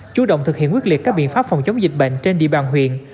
chủ động thực hiện quyết liệt các biện pháp phòng chống dịch bệnh trên địa bàn huyện